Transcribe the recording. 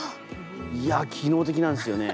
いや機能的なんですよね。